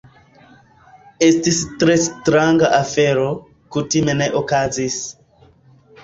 Estis tre stranga afero... kutime ne okazis.